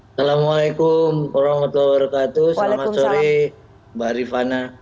assalamualaikum orang ketua berkatu selamat sore mbak rifana